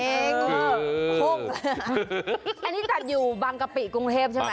อันนี้จัดอยู่บางกะปิกรุงเทพใช่ไหม